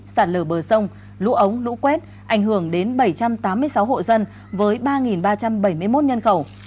sạt lở bờ sông lũ ống lũ quét ảnh hưởng đến bảy trăm tám mươi sáu hộ dân với ba ba trăm bảy mươi một nhân khẩu